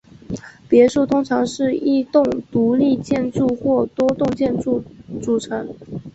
别墅通常是一栋独立建筑或多栋建筑组成。